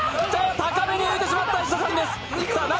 高めに浮いてしまった石田さんです。